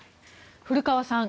古川さん